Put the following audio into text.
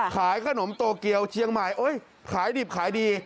ขายขนมโตเกียวเชียงใหม่โอ๊ยขายดิบขายดี